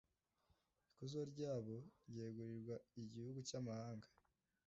ikuzo ryabo ryegurirwa igihugu cy'amahanga